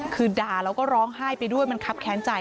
คือด่าแล้วก็ร้องไห้ไปด้วยมันครับแค้นใจ